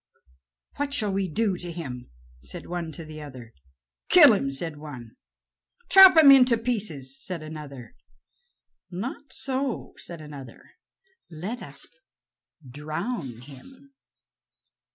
"What shall we do to him?" said one to the others. "Kill him," said one. "Chop him into pieces," said another. "Not so," said another; "let us drown him."